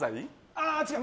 ああ、違う！